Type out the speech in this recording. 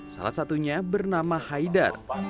salah satunya bernama haidar